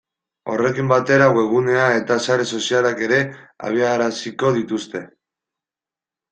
Horrekin batera webgunea eta sare sozialak ere abiaraziko dituzte.